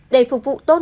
để phục vụ tốt